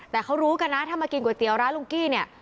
แต่เขารู้กันนะถ้ามากินก๋วยเตี๋ยวร้านลุงกี้เนี่ย